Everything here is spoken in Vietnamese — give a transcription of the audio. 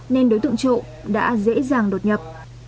nên đối tượng trộm đã dễ dàng đột nhập